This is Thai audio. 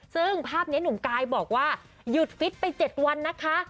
ซึ่งภาพนี้หนุ่มกายบอกว่าหยุดฟิตไป๗วันนะคะ